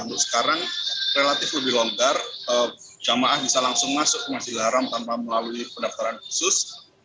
untuk sekarang relatif lebih longgar jamaah bisa langsung masuk ke masjidil haram tanpa melalui pendaftaran khusus